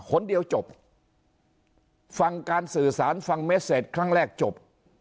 คนเดียวจบฟังการสื่อสารฟังเมสเซจครั้งแรกจบ